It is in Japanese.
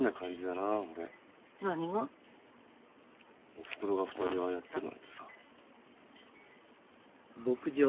おふくろが２人ああやってるなんてさ。